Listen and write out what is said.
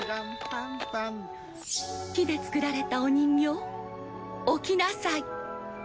「木でつくられたお人形起きなさい」